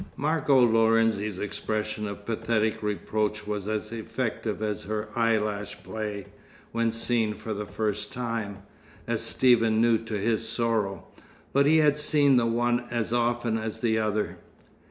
Margot Lorenzi's expression of pathetic reproach was as effective as her eyelash play, when seen for the first time, as Stephen knew to his sorrow. But he had seen the one as often as the other.